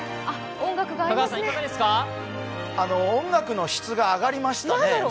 音楽の質が上がりましたね。